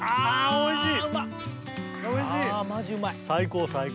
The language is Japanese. おいしい。